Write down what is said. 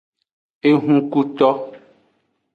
Ehunkuto.